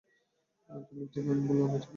তুমি ঠিক এবং আমি ভুল - আমি কি এটা বলেছি?